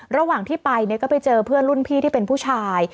ระหว่างที่ไปก็ไปเจอเพื่อนรุ่นพี่ที่เป็นผู้ชาย